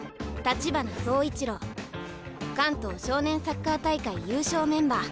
関東少年サッカー大会優勝メンバー。